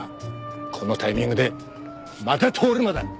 このタイミングでまた通り魔だ。